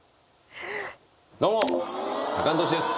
どうもタカアンドトシです。